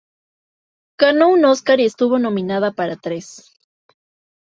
Ganó un Oscar y estuvo nominada para tres.